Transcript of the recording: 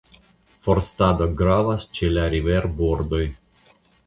Forstado gravas ĉe la riverbordoj.